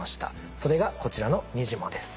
それがこちらの「にじモ」です。